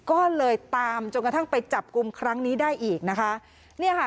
ก็เลยตามจนกระทั่งไปจับกลุ่มครั้งนี้ได้อีกนะคะเนี่ยค่ะ